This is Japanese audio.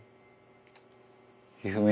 一二三。